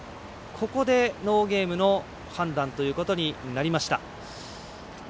ここで、ノーゲームの判断ということになりました。